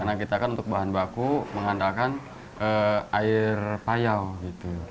karena kita kan untuk bahan baku mengandalkan air payau gitu